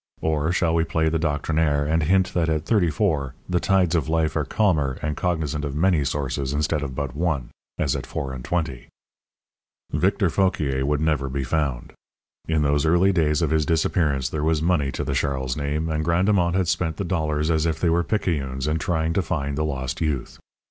Or, shall we play the doctrinaire, and hint that at thirty four the tides of life are calmer and cognizant of many sources instead of but one as at four and twenty? Victor Fauquier would never be found. In those early days of his disappearance there was money to the Charles name, and Grandemont had spent the dollars as if they were picayunes in trying to find the lost youth.